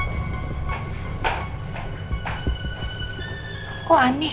apa lupa kasih tau tante rosa